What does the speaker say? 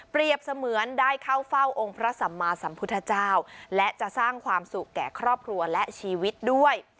เสมือนได้เข้าเฝ้าองค์พระสัมมาสัมพุทธเจ้าและจะสร้างความสุขแก่ครอบครัวและชีวิตด้วย